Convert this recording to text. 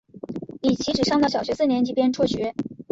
李琦只上到小学四年级便辍学。